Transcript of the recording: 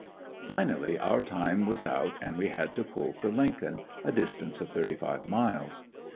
Finally our time was out and we had to pull for Lincoln, a distance of thirty five miles.